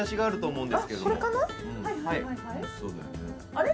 あれ？